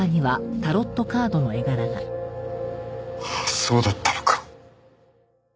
そうだったのか。